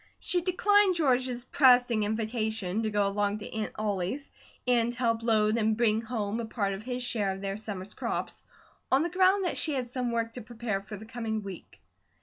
She declined George's pressing invitation to go along to Aunt Ollie's and help load and bring home a part of his share of their summer's crops, on the ground that she had some work to prepare for the coming week.